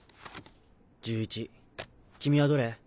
１１君はどれ？